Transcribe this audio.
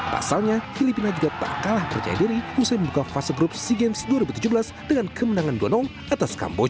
pasalnya filipina juga tak kalah percaya diri usai membuka fase grup sea games dua ribu tujuh belas dengan kemenangan dua atas kamboja